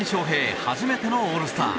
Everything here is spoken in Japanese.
初めてのオールスター。